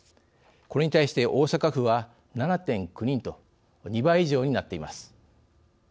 これに対して大阪府は７．９人と２倍以上になっています。